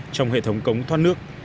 trong hệ thống cống thoát nước